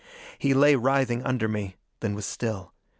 He lay writhing under me, then was still.